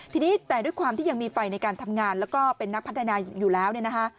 ทีนี้แต่ด้วยความที่ยังมีไฟในการทำงานและเป็นนักพัฒนานาอยู่แล้ว